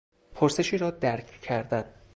پرسشی را درک کردن